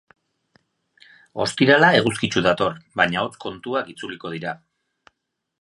Ostirala eguzkitsu dator, baina hotz kontuak itzuliko dira.